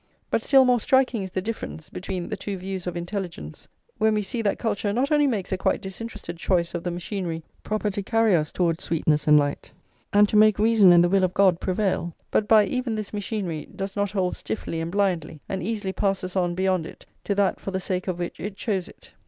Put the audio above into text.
But still more striking is the difference between the two views of intelligence, when we see that culture not only makes a quite disinterested choice of the machinery [liii] proper to carry us towards sweetness and light, and to make reason and the will of God prevail, but by even this machinery does not hold stiffly and blindly, and easily passes on beyond it to that for the sake of which it chose it.